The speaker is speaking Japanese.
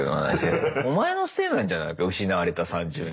お前のせいなんじゃないか失われた３０年。